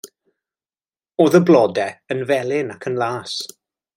O'dd y blode yn felyn ac yn las.